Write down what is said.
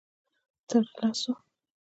_تر لسو.